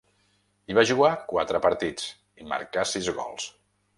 Hi va jugar quatre partits, i marcà sis gols.